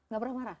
gak pernah marah